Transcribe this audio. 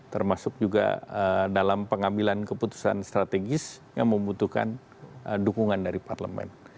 termasuk juga dalam pengambilan keputusan strategis yang membutuhkan dukungan dari parlemen